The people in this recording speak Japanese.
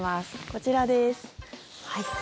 こちらです。